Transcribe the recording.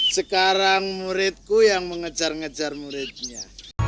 sekarang muridku yang mengejar ngejar muridnya